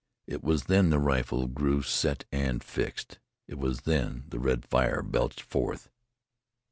It was then the rifle grew set and fixed; it was then the red fire belched forth.